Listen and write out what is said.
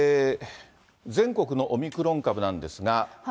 全国のオミクロン株なんですが。